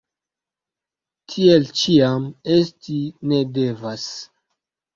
Tiel ĉiam esti ne devas!